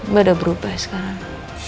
beda berubah sekarang